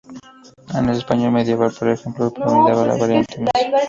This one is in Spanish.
En el español medieval, por ejemplo, predominaba la variante Meza.